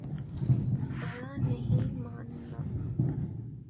برا نہیں ماننا